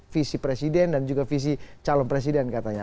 visi presiden dan juga visi calon presiden katanya